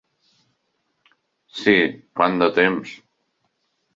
Sí, quant de temps.